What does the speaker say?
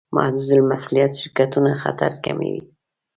محدودالمسوولیت شرکتونه خطر کموي.